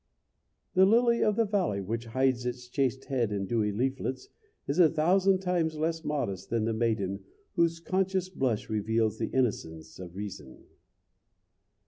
The lily of the valley, which hides its chaste head in dewy leaflets, is a thousand times less modest than the maiden whose conscious blush reveals the innocence of reason.